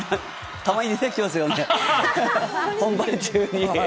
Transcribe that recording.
たまに出てきますよね、本番中に。